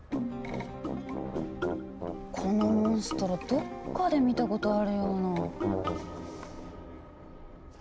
このモンストロどっかで見たことあるような。